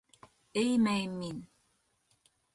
Эймәйем мин.